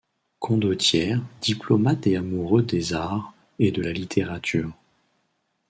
Condottière, diplomate et amoureux des arts et de la littérature.